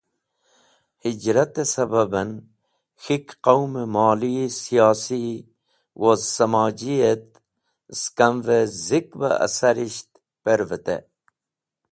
Hijrate sababen, K̃hik qaume Moli, siyosi woz samoji et eskamve Zik be asarisht pẽrvẽtey.